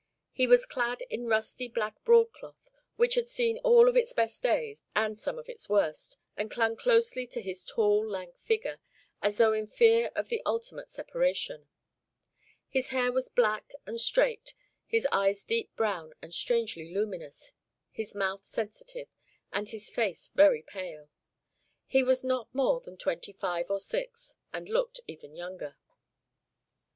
He was clad in rusty black broadcloth, which had seen all of its best days and some of its worst, and clung closely to his tall, lank figure, as though in fear of the ultimate separation. His hair was black and straight, his eyes deep brown and strangely luminous, his mouth sensitive, and his face very pale. He was not more than twenty five or six, and looked even younger.